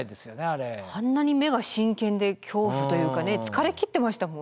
あんなに目が真剣で恐怖というかね疲れ切ってましたもんね。